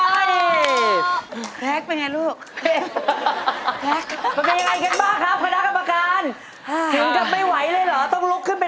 ไม่เอานะเกรงใจไม่ดีหรอกเกรงใจ